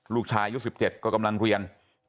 ลูกชายอายุ๑๗ก็กำลังเรียน